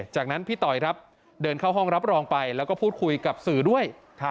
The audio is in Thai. จากนั้นพี่ต่อยครับเดินเข้าห้องรับรองไปแล้วก็พูดคุยกับสื่อด้วย